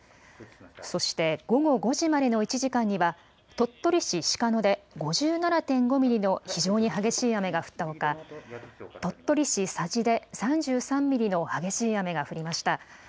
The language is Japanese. そして午後５時までの１時間には、鳥取市鹿野で５７．５ミリの非常に激しい雨が降ったほか、鳥取市佐治で３３ミリの激しい雨が降りました。